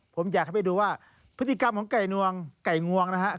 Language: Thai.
ผมอยากให้ไปดูว่าพฤติกรรมของไก่นวงไก่งวงนะครับ